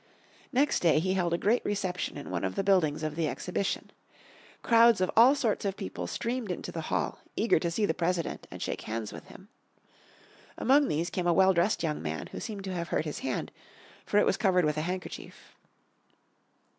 Next day he held a great reception in one of the buildings of the Exhibition. Crowds of all sorts of people streamed into the hall, eager to see the President and shake hands with him. Among these came a well dressed young man who seemed to have hurt his hand, for it was covered with a handkerchief.